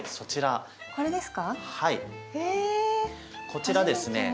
こちらですね